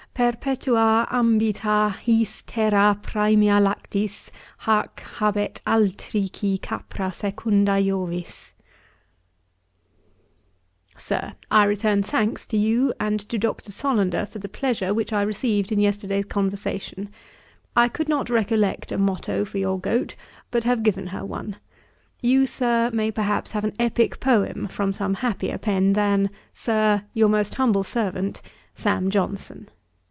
'Perpetua ambitâ his terrá præmia lactis Hac habet altrici Capra secunda Jovis.' 'Sir, 'I return thanks to you and to Dr. Solander for the pleasure which I received in yesterday's conversation. I could not recollect a motto for your Goat, but have given her one. You, Sir, may perhaps have an epick poem from some happier pen than, Sir, 'Your most humble servant, 'SAM. JOHNSON.'